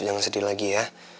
jangan sedih lagi ya